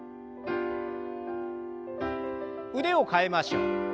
腕を替えましょう。